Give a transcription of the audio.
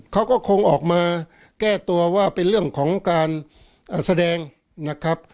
เขาก็คงออกมาแก้ตัวว่าเป็นเรื่องของการแสดงนะครับ